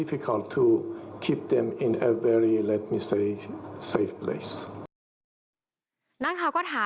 เพราะแกรเหลงละภักดา